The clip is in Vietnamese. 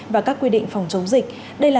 và các quy định phòng chống dịch đây là